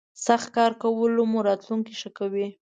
سخت کار کولو مو راتلوونکی ښه کوي.